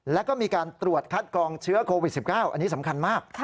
แล้วก็มีการตรวจคัดกองเชื้อโควิด๑๙อันนี้สำคัญมาก